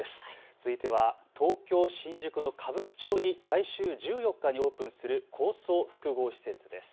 続いては東京新宿の歌舞伎町に来週１４日にオープンする高層複合施設です。